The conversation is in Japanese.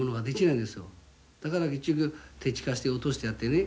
だから結局摘果して落としてやってね。